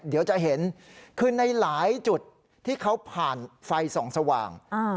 เดี๋ยวจะเห็นคือในหลายจุดที่เขาผ่านไฟส่องสว่าง